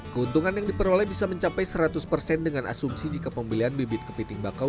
keuntungan yang diperoleh bisa mencapai seratus persen dengan asumsi jika pembelian bibit kepiting bakau